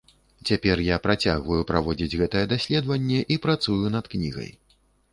Цяпер я працягваю праводзіць гэтае даследаванне і працую над кнігай.